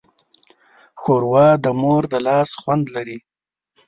ښوروا د مور د لاس خوند لري.